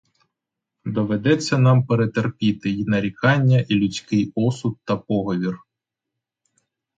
Доведеться нам перетерпіти й нарікання, і людський осуд та поговір.